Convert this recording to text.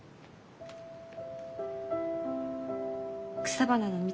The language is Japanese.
草花の道